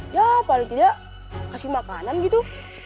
ya paling tidak kasih makanan gitu